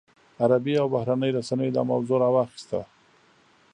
عربي او بهرنیو رسنیو دا موضوع راواخیسته.